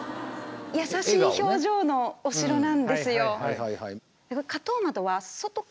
優しい表情のお城なんですよ。